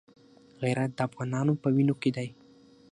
غیرت د افغانانو په وینو کې دی.